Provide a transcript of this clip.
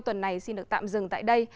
tuần này xin được tạm dừng tại đây